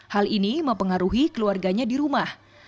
hal ini mempengaruhi keluarganya di rumah